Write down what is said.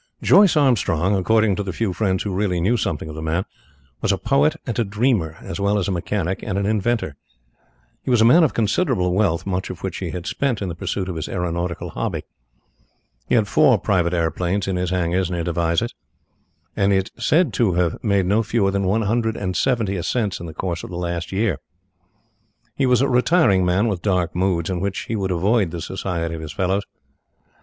Joyce Armstrong, according to the few friends who really knew something of the man, was a poet and a dreamer, as well as a mechanic and an inventor. He was a man of considerable wealth, much of which he had spent in the pursuit of his aeronautical hobby. He had four private aeroplanes in his hangars near Devizes, and is said to have made no fewer than one hundred and seventy ascents in the course of last year. He was a retiring man with dark moods, in which he would avoid the society of his fellows.